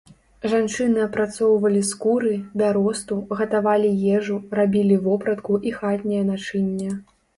Жанчыны апрацоўвалі скуры, бяросту, гатавалі ежу, рабілі вопратку і хатняе начынне.